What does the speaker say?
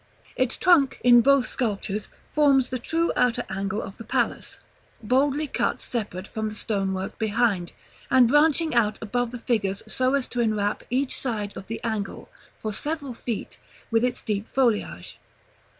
Its trunk, in both sculptures, forms the true outer angle of the palace; boldly cut separate from the stone work behind, and branching out above the figures so as to enwrap each side of the angle, for several feet, with its deep foliage.